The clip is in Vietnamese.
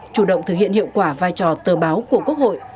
chủ động thực hiện hiệu quả vai trò tờ báo của quốc hội